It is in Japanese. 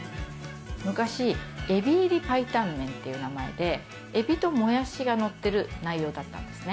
昔、海老入り白湯麺という名前で、エビともやしが載ってる内容だったんですね。